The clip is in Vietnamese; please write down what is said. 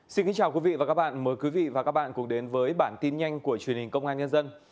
chào mừng quý vị đến với bản tin nhanh của truyền hình công an nhân dân